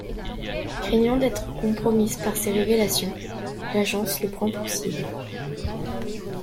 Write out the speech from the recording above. Craignant d’être compromise par ses révélations, l’Agence le prend pour cible.